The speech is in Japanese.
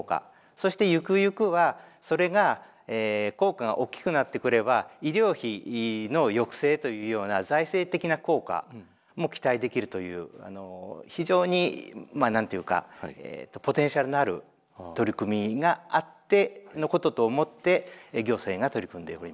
そしてゆくゆくはそれが効果がおっきくなってくれば医療費の抑制というような財政的な効果も期待できるという非常にまあ何て言うかポテンシャルのある取り組みがあってのことと思って行政が取り組んでおります。